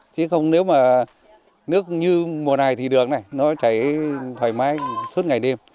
chứ không nếu mà nước như mùa này thì được này nó chảy thoải mái suốt ngày đêm